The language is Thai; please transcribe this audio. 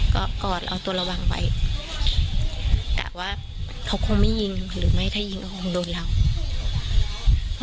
ก็กอดเอาตัวระวังไว้กะว่าเขาคงไม่ยิงหรือไม่ถ้ายิงก็คงโดนเรา